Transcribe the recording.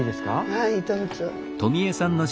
はいどうぞ。